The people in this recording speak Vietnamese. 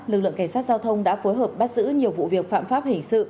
lực lượng cảnh sát giao thông đã phối hợp bắt giữ nhiều vụ việc phạm pháp hình sự